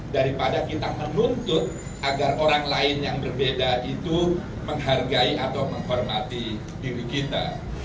daripada kita menuntut agar orang lain yang berbeda itu menghargai atau menghormati diri kita